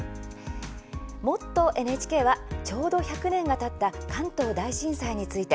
「もっとＮＨＫ」はちょうど１００年がたった関東大震災について。